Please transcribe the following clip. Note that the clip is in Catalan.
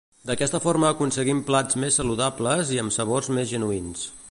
D'aquesta forma aconseguim plats més saludables i amb sabors més genuïns.